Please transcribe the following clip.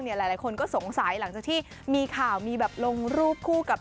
หลายคนก็สงสัยหลังจากที่มีข่าวมีแบบลงรูปคู่กับ